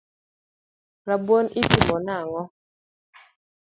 Rabuon ipimo nang’o?